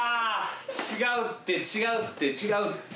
違うって違うって違うって。